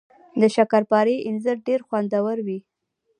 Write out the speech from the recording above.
د شکرپارې انځر ډیر خوندور وي